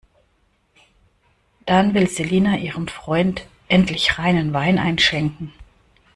Dann will Selina ihrem Freund endlich reinen Wein einschenken.